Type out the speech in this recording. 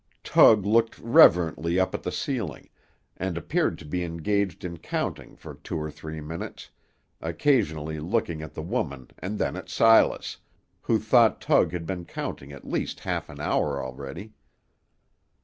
Tug looked reverently up at the ceiling; and appeared to be engaged in counting for two or three minutes, occasionally looking at the woman and then at Silas, who thought Tug had been counting at least half an hour already.